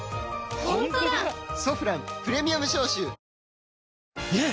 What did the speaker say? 「ソフランプレミアム消臭」ねえ‼